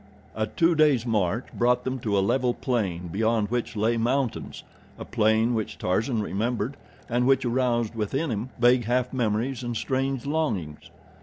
A two days' march brought them to a level plain beyond which lay mountains—a plain which Tarzan remembered and which aroused within him vague half memories and strange longings.